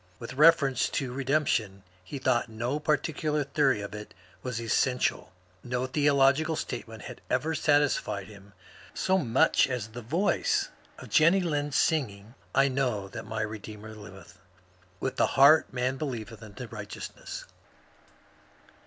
With reference to ^^ Ee demption," he thought no particular theory of it was essen tiaL No theological statement had ever satisfied him so much as the voice of Jenny Lind singing, *^ I know that my Redeemer liveth I " Wit^ the heart man believeth unto right eousness.